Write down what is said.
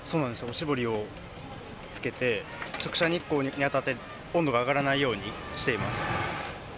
おしぼりつけて直射日光に当たって温度が上がらないようにしています。